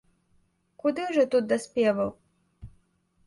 Куды ўжо тут да спеваў!